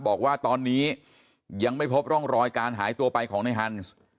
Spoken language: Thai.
บอกว่าตอนนี้ยังไม่พบร่องรอยการหายตัวไปของในฮันส์